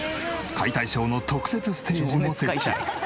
解体ショーの特設ステージも設置。